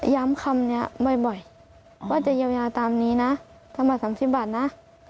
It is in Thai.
ย้ำคำนี้บ่อยว่าจะเยาตามนี้นะจำบัตร๓๐บาทนะ